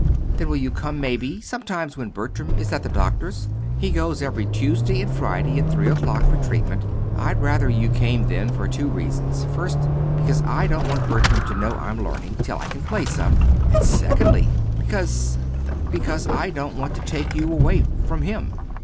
"Then will you come, maybe, sometimes when Bertram is at the doctor's? He goes every Tuesday and Friday at three o'clock for treatment. I'd rather you came then for two reasons: first, because I don't want Bertram to know I'm learning, till I can play some; and, secondly, because because I don't want to take you away from him."